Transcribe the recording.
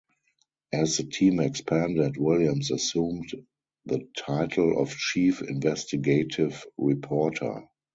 As the team expanded, Williams assumed the title of chief investigative reporter.